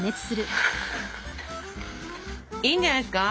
いいんじゃないですか。